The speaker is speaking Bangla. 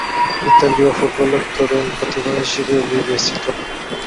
ইতালীয় ফুটবলের তরুণ প্রতিভা হিসেবে বিবেচিত।